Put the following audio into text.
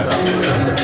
kita masuk ke atas